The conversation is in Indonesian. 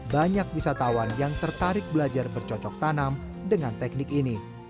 banyak wisatawan yang tertarik belajar bercocok tanam dengan teknik ini